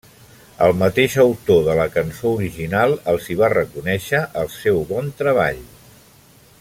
El mateix autor de la cançó original els hi va reconèixer el seu bon treball.